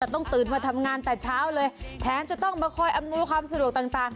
ต้องตื่นมาทำงานแต่เช้าเลยแถมจะต้องมาคอยอำนวยความสะดวกต่าง